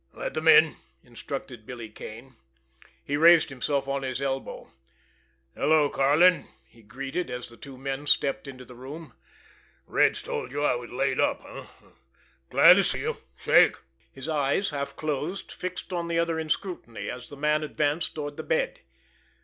"Let them in," instructed Billy Kane. He raised himself on his elbow. "Hello, Karlin!" he greeted, as the two men stepped into the room. "Red's told you I was laid up— eh? Glad to see you! Shake!" His eyes, half closed, fixed on the other in scrutiny, as the man advanced toward the bed.